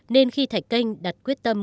nên khi thạch canh đặt quyết tâm